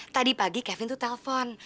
tadi pagi kevin tuh telfon